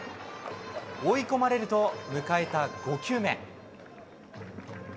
追い込まれると迎えた５球目。